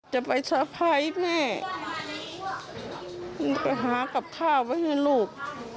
จะไปสะพายแม่ไปหากับข้าวไว้ให้ลูก